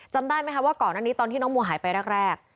จำได้ไหมคะว่าก่อนอันนี้ตอนที่น้องมัวหายไปแรก